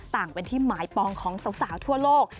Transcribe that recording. ต่างเป็นที่หมายปองของสาวทั่วโลก